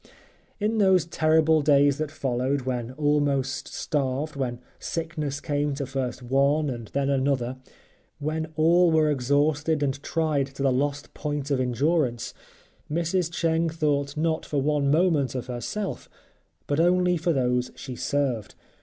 In those terrible days that followed, when almost starved, when sickness came to first one and then another, when all were exhausted and tried to the lost point of endurance, Mrs. Cheng thought not for one moment of herself, but only for those she served.